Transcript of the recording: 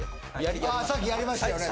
さっきやりましたよね